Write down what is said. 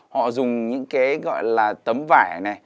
họ dùng những cái gọi là tấm vải này